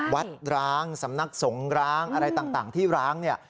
ร้างสำนักสงร้างอะไรต่างที่ร้างเนี่ย